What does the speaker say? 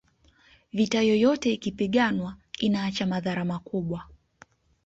vita yoyote ikipiganwa inaacha madhara makubwa